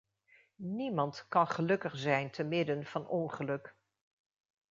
Niemand kan gelukkig zijn temidden van ongeluk.